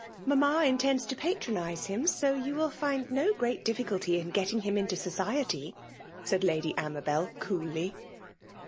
Mamma intends to patronize him, so you wffl find no great difficulty in getting lum into society," said Lady Amabel, coolly.